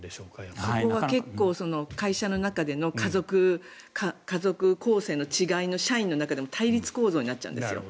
そこは会社の中での家族構成の違う社員の中でも対立構造になっちゃうんですよ。